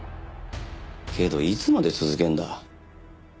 けどいつまで続けんだ？